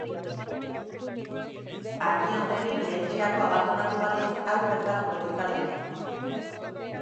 Agian Lerin lehentxeago abandonatu balitz hau gertatuko litzateke.